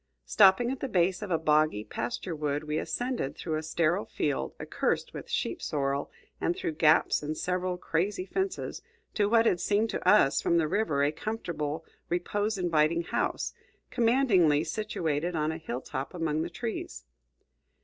Stopping at the base of a boggy pasture wood, we ascended through a sterile field, accursed with sheep sorrel, and through gaps in several crazy fences, to what had seemed to us from the river a comfortable, repose inviting house, commandingly situated on a hill top among the trees.